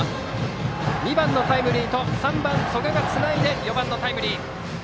２番のタイムリーと３番の曽我がつないで４番のタイムリー。